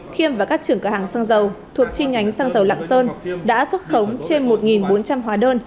khiêm và các trưởng cửa hàng xăng dầu thuộc chi nhánh xăng dầu lạng sơn đã xuất khống trên một bốn trăm linh hóa đơn